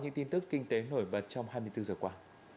những tin tức kinh tế nổi bật trong hai mươi bốn giờ qua